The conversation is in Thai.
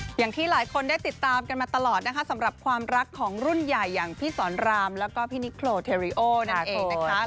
อย่างที่หลายคนได้ติดตามกันมาตลอดนะคะสำหรับความรักของรุ่นใหญ่อย่างพี่สอนรามแล้วก็พี่นิโครเทริโอนั่นเองนะคะ